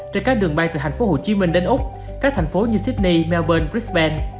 trên các đường bay từ tp hcm đến úc các thành phố như sydney melbourne brisbane